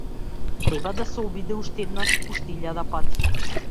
Треба да се обиде уште еднаш, уште илјада пати.